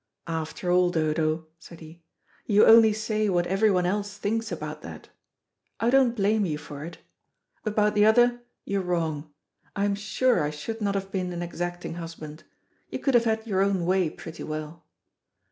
"After all, Dodo," said he, "you only say what every one else thinks about that. I don't blame you for it. About the other, you're wrong. I am sure I should not have been an exacting husband. You could have had your own way pretty well."